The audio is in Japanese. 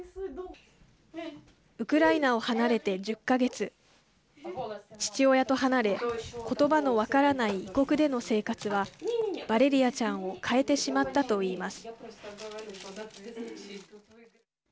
ウクライナを離れて１０か月父親と離れ、言葉の分からない異国での生活はバレリアちゃんを変えてしまったと言います。